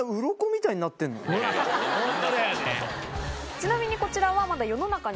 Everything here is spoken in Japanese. ちなみにこちらは。